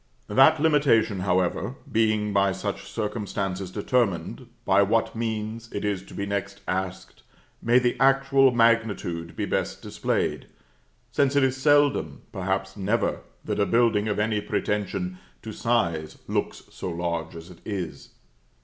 That limitation, however, being by such circumstances determined, by what means, it is to be next asked, may the actual magnitude be best displayed; since it is seldom, perhaps never, that a building of any pretension to size looks so large as it is.